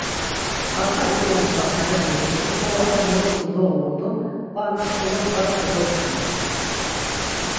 K̆arta ik̆inaçxas na iqven steri xolo ar muruntsxi doğuru do barnak xolo mgara kogoç̌ǩondu.